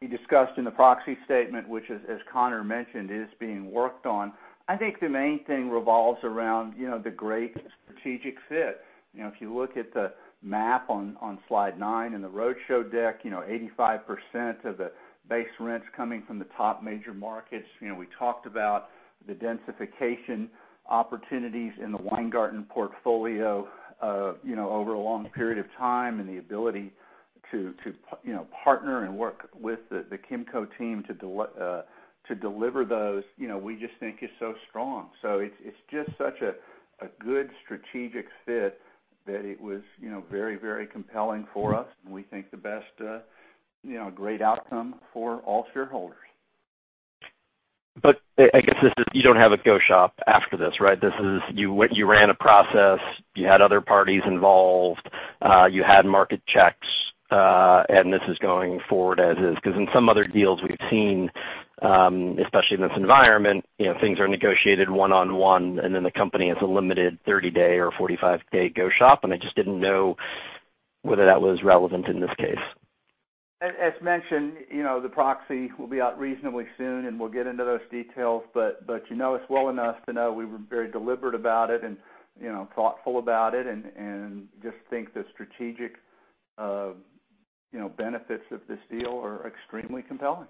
be discussed in the proxy statement, which as Conor mentioned, is being worked on. I think the main thing revolves around the great strategic fit. If you look at the map on slide nine in the roadshow deck, 85% of the base rents coming from the top major markets. We talked about the densification opportunities in the Weingarten portfolio over a long period of time, and the ability to partner and work with the Kimco team to deliver those. We just think it's so strong. It's just such a good strategic fit that it was very compelling for us, and we think the best great outcome for all shareholders. I guess you don't have a go shop after this, right? You ran a process, you had other parties involved, you had market checks, and this is going forward as is. In some other deals we've seen, especially in this environment, things are negotiated one-on-one, and then the company has a limited 30-day or 45-day go shop, and I just didn't know whether that was relevant in this case. As mentioned, the proxy will be out reasonably soon, and we'll get into those details. You know us well enough to know we were very deliberate about it and thoughtful about it, and just think the strategic benefits of this deal are extremely compelling.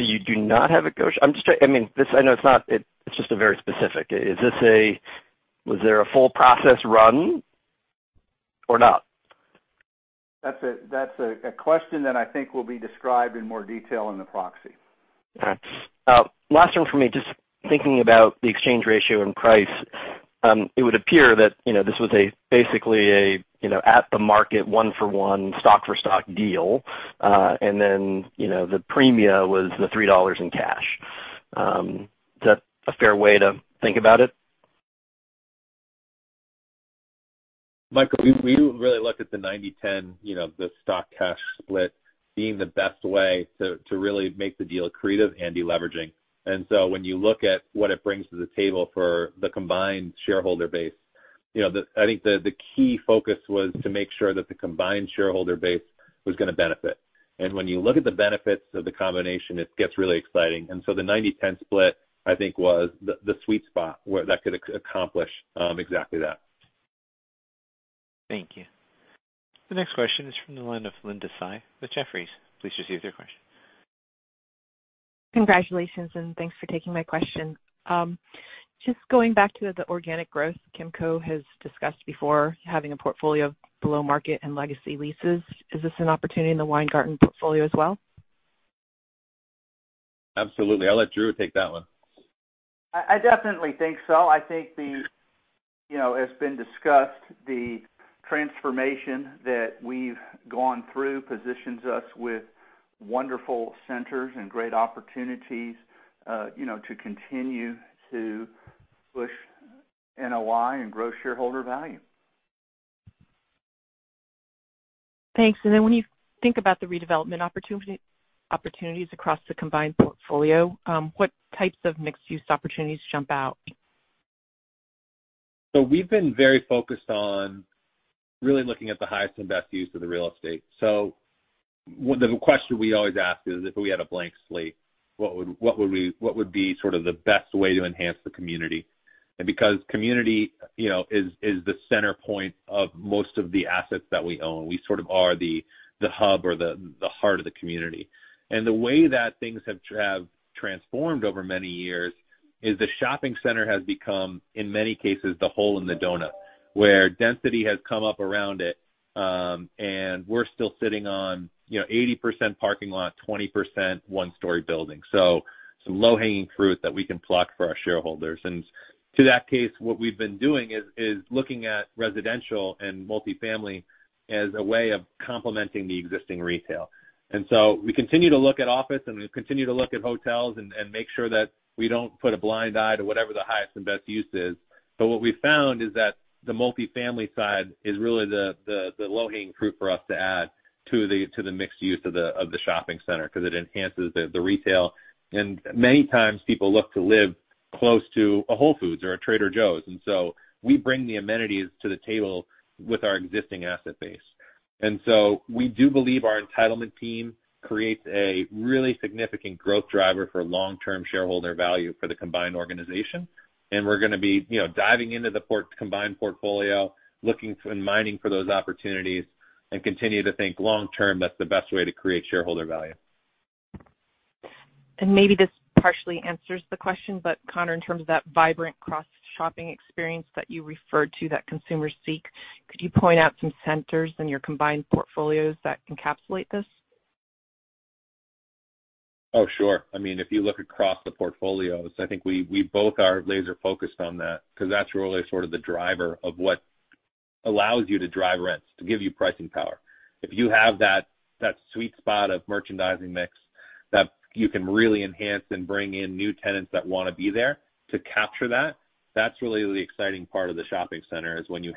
You do not have a. It's just a very specific. Was there a full process run? Or not? That's a question that I think will be described in more detail in the proxy. All right. Last one from me. Just thinking about the exchange ratio and price, it would appear that this was basically an at-the-market one-for-one stock-for-stock deal. Then, the premia was the $3 in cash. Is that a fair way to think about it? Michael, we really looked at the 90/10, the stock-cash split, being the best way to really make the deal accretive and de-leveraging. When you look at what it brings to the table for the combined shareholder base, I think the key focus was to make sure that the combined shareholder base was going to benefit. When you look at the benefits of the combination, it gets really exciting. The 90/10 split, I think, was the sweet spot where that could accomplish exactly that. Thank you. The next question is from the line of Linda Tsai with Jefferies. Please proceed with your question. Congratulations and thanks for taking my question. Just going back to the organic growth Kimco has discussed before, having a portfolio of below-market and legacy leases. Is this an opportunity in the Weingarten portfolio as well? Absolutely. I'll let Drew take that one. I definitely think so. I think, it's been discussed, the transformation that we've gone through positions us with wonderful centers and great opportunities to continue to push NOI and grow shareholder value. Thanks. When you think about the redevelopment opportunities across the combined portfolio, what types of mixed-use opportunities jump out? We've been very focused on really looking at the highest and best use of the real estate. The question we always ask is, if we had a blank slate, what would be sort of the best way to enhance the community? Because community is the center point of most of the assets that we own. We sort of are the hub or the heart of the community. The way that things have transformed over many years is the shopping center has become, in many cases, the hole in the donut, where density has come up around it. We're still sitting on 80% parking lot, 20% one-story building. Some low-hanging fruit that we can pluck for our shareholders. To that case, what we've been doing is looking at residential and multi-family as a way of complementing the existing retail. We continue to look at office, and we continue to look at hotels and make sure that we don't put a blind eye to whatever the highest and best use is. What we found is that the multi-family side is really the low-hanging fruit for us to add to the mixed use of the shopping center because it enhances the retail. Many times people look to live close to a Whole Foods or a Trader Joe's, and so we bring the amenities to the table with our existing asset base. We do believe our entitlement team creates a really significant growth driver for long-term shareholder value for the combined organization. We're going to be diving into the combined portfolio, looking and mining for those opportunities, and continue to think long term, that's the best way to create shareholder value. Maybe this partially answers the question, Conor, in terms of that vibrant cross-shopping experience that you referred to that consumers seek, could you point out some centers in your combined portfolios that encapsulate this? Oh, sure. If you look across the portfolios, I think we both are laser-focused on that because that's really sort of the driver of what allows you to drive rents, to give you pricing power. If you have that sweet spot of merchandising mix that you can really enhance and bring in new tenants that want to be there to capture that's really the exciting part of the shopping center, is when you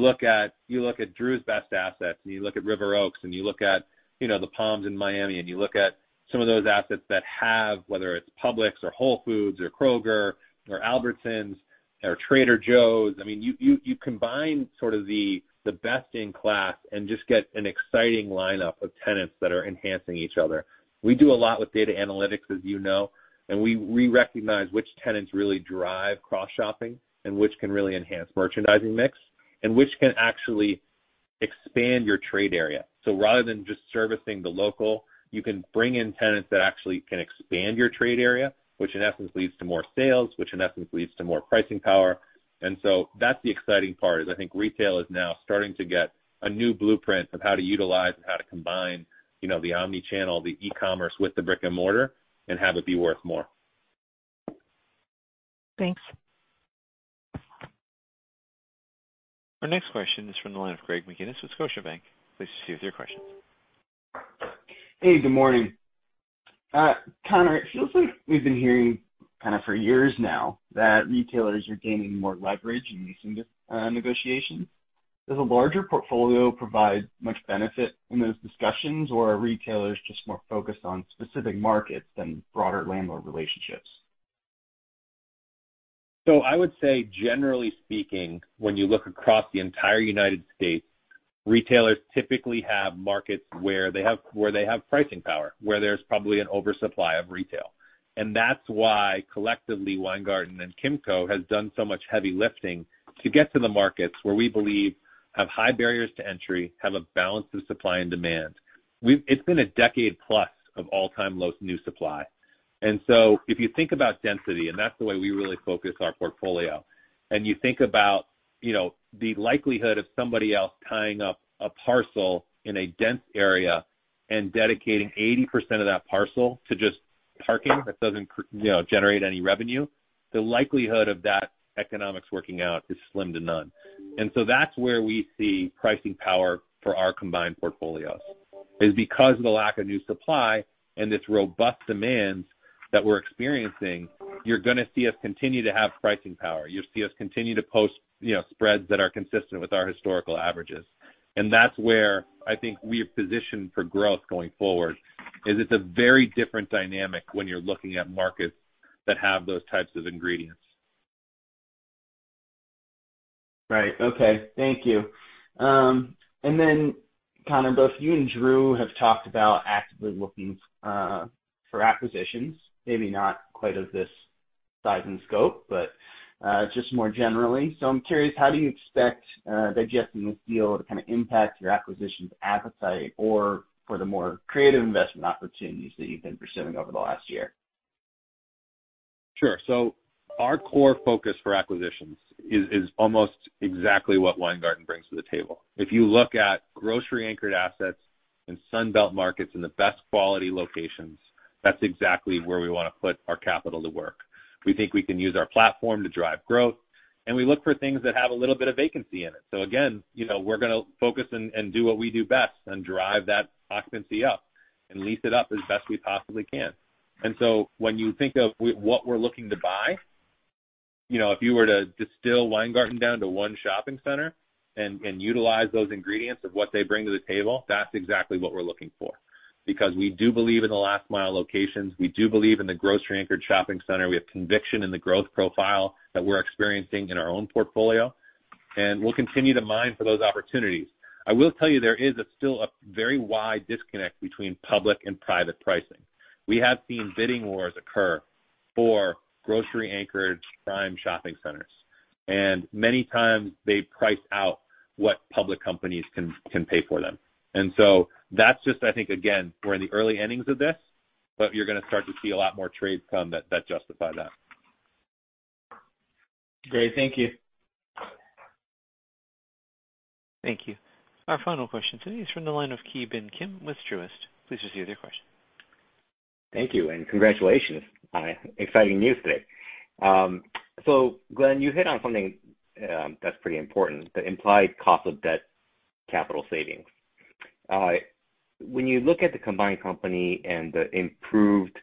look at Drew's best assets, and you look at River Oaks, and you look at The Palms in Miami, and you look at some of those assets that have, whether it's Publix or Whole Foods or Kroger or Albertsons or Trader Joe's. You combine sort of the best in class and just get an exciting lineup of tenants that are enhancing each other. We do a lot with data analytics, as you know, and we recognize which tenants really drive cross-shopping and which can really enhance merchandising mix, and which can actually expand your trade area. Rather than just servicing the local, you can bring in tenants that actually can expand your trade area, which in essence leads to more sales, which in essence leads to more pricing power. That's the exciting part, is I think retail is now starting to get a new blueprint of how to utilize and how to combine the omni-channel, the e-commerce, with the brick-and-mortar and have it be worth more. Thanks. Our next question is from the line of Greg McGinniss with Scotiabank. Please proceed with your question. Hey, good morning. Conor, it feels like we've been hearing kind of for years now that retailers are gaining more leverage in leasing negotiations. Does a larger portfolio provide much benefit in those discussions, or are retailers just more focused on specific markets than broader landlord relationships? I would say, generally speaking, when you look across the entire U.S., retailers typically have markets where they have pricing power, where there's probably an oversupply of retail. That's why collectively, Weingarten and Kimco has done so much heavy lifting to get to the markets where we believe have high barriers to entry, have a balance of supply and demand. It's been a decade plus of all-time low new supply. If you think about density, and that's the way we really focus our portfolio, and you think about the likelihood of somebody else tying up a parcel in a dense area and dedicating 80% of that parcel to just parking that doesn't generate any revenue, the likelihood of that economics working out is slim to none. That's where we see pricing power for our combined portfolios, is because of the lack of new supply and this robust demand that we're experiencing, you're going to see us continue to have pricing power. You'll see us continue to post spreads that are consistent with our historical averages. That's where I think we're positioned for growth going forward, is it's a very different dynamic when you're looking at markets that have those types of ingredients. Right. Okay. Thank you. Conor, both you and Drew have talked about actively looking for acquisitions, maybe not quite of this size and scope, but just more generally. I'm curious, how do you expect digesting this deal to kind of impact your acquisitions appetite or for the more creative investment opportunities that you've been pursuing over the last year? Sure. Our core focus for acquisitions is almost exactly what Weingarten brings to the table. If you look at grocery-anchored assets in Sun Belt markets in the best quality locations, that's exactly where we want to put our capital to work. We think we can use our platform to drive growth, and we look for things that have a little bit of vacancy in it. Again, we're going to focus and do what we do best and drive that occupancy up and lease it up as best we possibly can. When you think of what we're looking to buy, if you were to distill Weingarten down to one shopping center and utilize those ingredients of what they bring to the table, that's exactly what we're looking for. We do believe in the last mile locations, we do believe in the grocery-anchored shopping center. We have conviction in the growth profile that we're experiencing in our own portfolio, and we'll continue to mine for those opportunities. I will tell you there is still a very wide disconnect between public and private pricing. We have seen bidding wars occur for grocery-anchored prime shopping centers. Many times they price out what public companies can pay for them. That's just, I think, again, we're in the early innings of this, but you're going to start to see a lot more trades come that justify that. Great. Thank you. Thank you. Our final question today is from the line of Ki Bin Kim with Truist. Please proceed with your question. Thank you. Congratulations on exciting news today. Glenn, you hit on something that's pretty important, the implied cost of debt capital savings. When you look at the combined company and the improved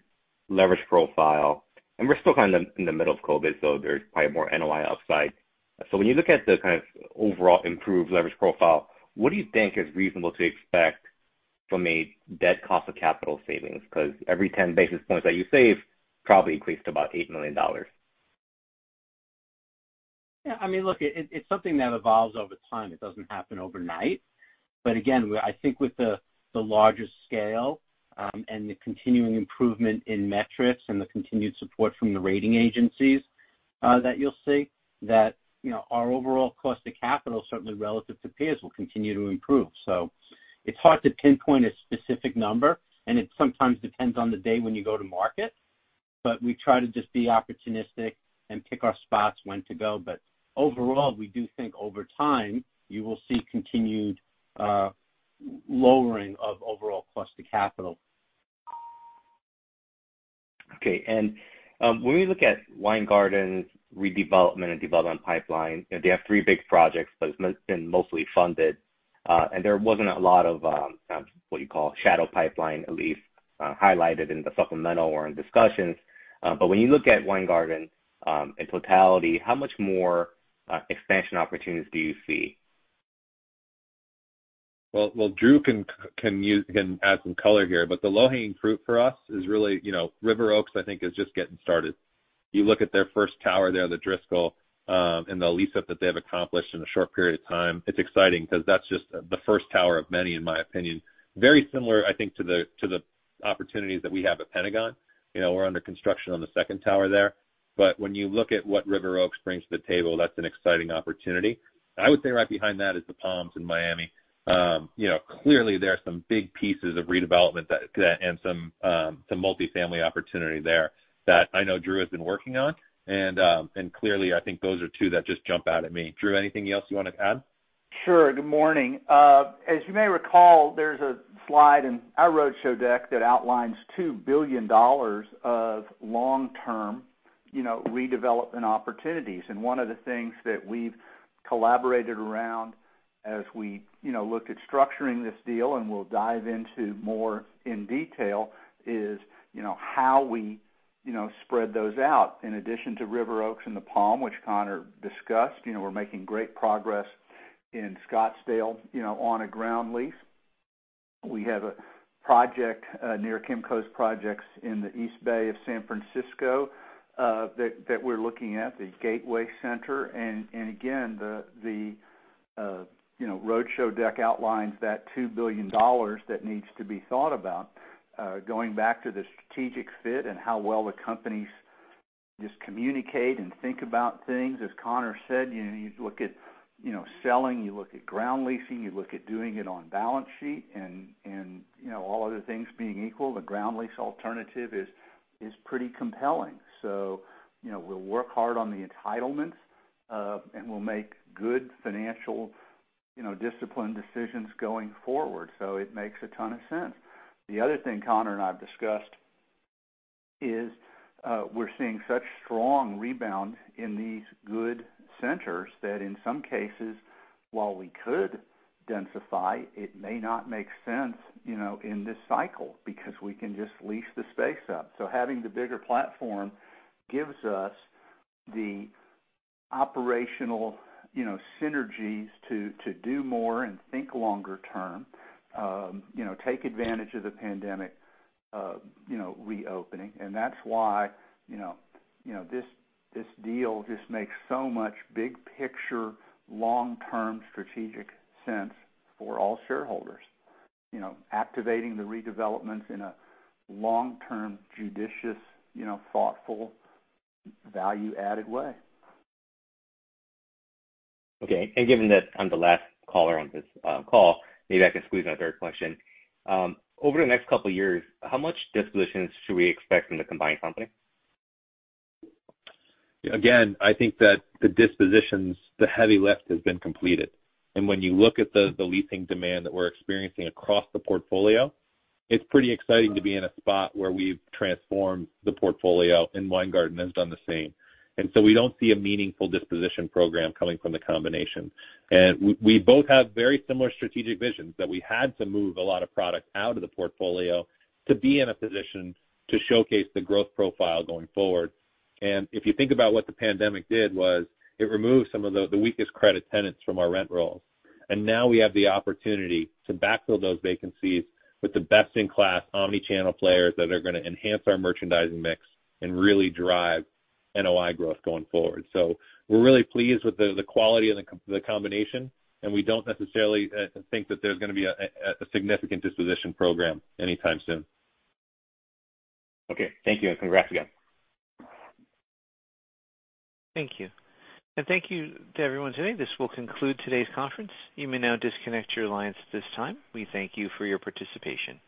leverage profile, and we're still kind of in the middle of COVID, so there's probably more NOI upside. When you look at the kind of overall improved leverage profile, what do you think is reasonable to expect from a debt cost of capital savings? Because every 10 basis points that you save probably equates to about $8 million. Yeah, look, it's something that evolves over time. It doesn't happen overnight. Again, I think with the larger scale and the continuing improvement in metrics and the continued support from the rating agencies that you'll see that our overall cost of capital, certainly relative to peers, will continue to improve. It's hard to pinpoint a specific number, and it sometimes depends on the day when you go to market, but we try to just be opportunistic and pick our spots when to go. Overall, we do think over time, you will see continued lowering of overall cost of capital. Okay. When we look at Weingarten's redevelopment and development pipeline, they have three big projects, but it's been mostly funded. There wasn't a lot of what you call shadow pipeline, at least highlighted in the supplemental or in discussions. When you look at Weingarten in totality, how much more expansion opportunities do you see? Well, Drew can add some color here, but the low-hanging fruit for us is really River Oaks, I think is just getting started. You look at their first tower there, The Driscoll, and the lease-up that they have accomplished in a short period of time, it's exciting because that's just the first tower of many, in my opinion. Very similar, I think, to the opportunities that we have at Pentagon. We're under construction on the second tower there. When you look at what River Oaks brings to the table, that's an exciting opportunity. I would say right behind that is The Palms in Miami. Clearly there are some big pieces of redevelopment and some multifamily opportunity there that I know Drew has been working on, and clearly I think those are two that just jump out at me. Drew, anything else you wanted to add? Sure. Good morning. As you may recall, there's a slide in our roadshow deck that outlines $2 billion of long-term redevelopment opportunities. One of the things that we've collaborated around as we looked at structuring this deal and we'll dive into more in detail is how we spread those out. In addition to River Oaks and The Palms, which Conor discussed, we're making great progress in Scottsdale on a ground lease. We have a project near Kimco's projects in the East Bay of San Francisco that we're looking at, the Gateway Center. Again, the roadshow deck outlines that $2 billion that needs to be thought about. Going back to the strategic fit and how well the companies just communicate and think about things. As Conor said, you look at selling, you look at ground leasing, you look at doing it on balance sheet, all other things being equal, the ground lease alternative is pretty compelling. We'll work hard on the entitlements, we'll make good financial discipline decisions going forward. It makes a ton of sense. The other thing Conor and I have discussed is, we're seeing such strong rebound in these good centers that in some cases, while we could densify, it may not make sense in this cycle because we can just lease the space up. Having the bigger platform gives us the operational synergies to do more and think longer term, take advantage of the pandemic reopening. That's why this deal just makes so much big-picture, long-term strategic sense for all shareholders. Activating the redevelopments in a long-term, judicious, thoughtful, value-added way. Okay. Given that I'm the last caller on this call, maybe I can squeeze in a third question. Over the next couple of years, how much dispositions should we expect from the combined company? I think that the dispositions, the heavy lift has been completed. When you look at the leasing demand that we're experiencing across the portfolio, it's pretty exciting to be in a spot where we've transformed the portfolio, and Weingarten has done the same. We don't see a meaningful disposition program coming from the combination. We both have very similar strategic visions that we had to move a lot of product out of the portfolio to be in a position to showcase the growth profile going forward. If you think about what the pandemic did was it removed some of the weakest credit tenants from our rent roll. Now we have the opportunity to backfill those vacancies with the best-in-class omni-channel players that are going to enhance our merchandising mix and really drive NOI growth going forward. We're really pleased with the quality of the combination, and we don't necessarily think that there's going to be a significant disposition program anytime soon. Okay. Thank you, and congrats again. Thank you. Thank you to everyone today. This will conclude today's conference. You may now disconnect your lines at this time. We thank you for your participation.